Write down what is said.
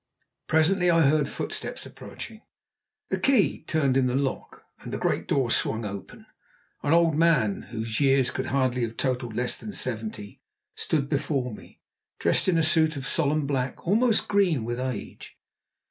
Presently I heard footsteps approaching. A key turned in the lock, and the great door swung open. An old man, whose years could hardly have totalled less than seventy, stood before me, dressed in a suit of solemn black, almost green with age.